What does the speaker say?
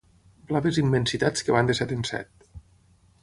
Blaves immensitats que van de set en set.